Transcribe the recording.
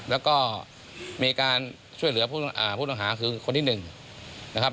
แล้วก็มีการช่วยเหลือผู้ต้องหาคือคนที่๑นะครับ